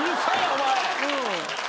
お前。